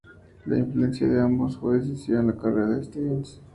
La influencia de ambos fue decisiva en la carrera de Stevens.